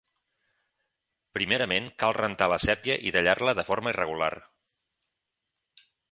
Primerament, cal rentar la sèpia i tallar-la de forma irregular.